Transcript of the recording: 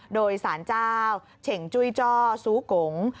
โดยสารเจ้าเฉ่งจุ้ยจ้อซูกง